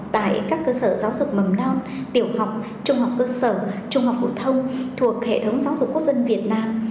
tại các cơ sở giáo dục mầm non tiểu học trung học cơ sở trung học phổ thông thuộc hệ thống giáo dục quốc dân việt nam